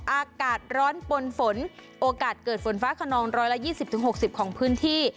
อากาศร้อนปนฝนโอกาสเกิดฝนฟ้าขนองร้อยละยี่สิบถึงหกสิบของพื้นที่